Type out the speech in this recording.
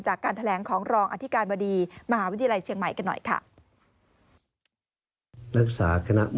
จากการแถลงของรองอธิการบดีมหาวิทยาลัยเชียงใหม่กันหน่อยค่ะ